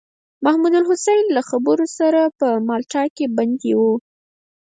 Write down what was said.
محمودالحسن له ملګرو سره په مالټا کې بندي و.